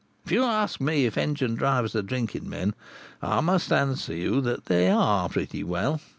If you ask me if engine drivers are drinking men, I must answer you that they are pretty well.